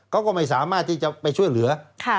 เขาก็ไม่สามารถที่จะไปช่วยเหลือ